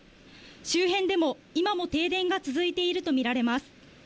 周辺でも今も停電が続いていると見られます。